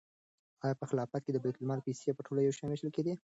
آیا په خلافت کې د بیت المال پیسې په ټولو یو شان وېشل کېدې؟